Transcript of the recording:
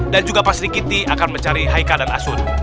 dan juga pasri kitty akan mencari haika dan asun